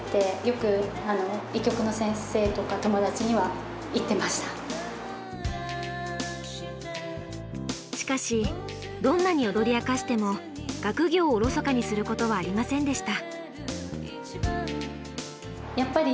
そのぐらいいたのでしかしどんなに踊り明かしても学業をおろそかにすることはありませんでした。